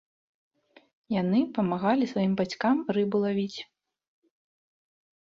Яны памагалі сваім бацькам рыбу лавіць.